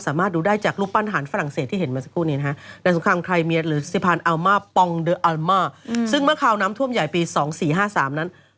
ซึ่งเมื่อคราวน้ำท่วมใหญ่ปี๒๔๕๓นั้น